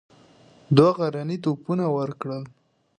دوه غرني توپونه ورکړل.